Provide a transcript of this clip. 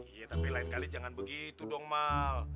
iya tapi lain kali jangan begitu dong mal